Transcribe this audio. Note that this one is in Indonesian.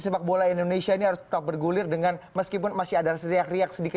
wakil ketua umum dan eksekutif komite